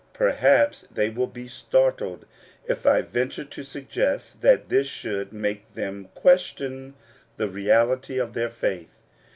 Perhaps they will be startled if I venture to suggest that this should make them question the reality of their faith.